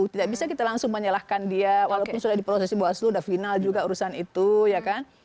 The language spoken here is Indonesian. tidak bisa kita langsung menyalahkan dia walaupun sudah diproses bawaslu sudah final juga urusan itu ya kan